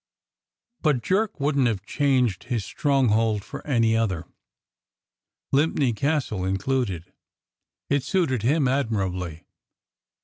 But Jerk wouldn't have changed his stronghold for any other, Limpne Castle included; it suited him admirably.